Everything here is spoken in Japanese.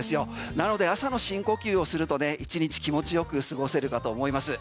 なので朝の深呼吸をすると１日気持ちよく過ごせるかと思います。